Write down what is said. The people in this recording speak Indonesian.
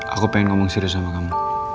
aku pengen ngomong serius sama kamu